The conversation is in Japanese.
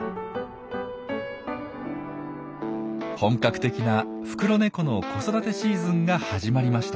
本格的なフクロネコの子育てシーズンが始まりました。